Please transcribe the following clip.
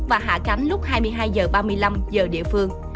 và hạ cánh lúc hai mươi hai h ba mươi năm giờ địa phương